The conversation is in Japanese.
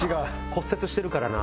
骨折してるからな。